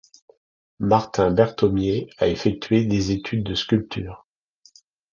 Martin Berthommier a effectué des études de sculpture.